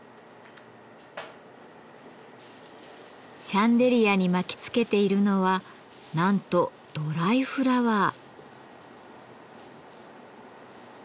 シャンデリアに巻きつけているのはなんとドライフラワー。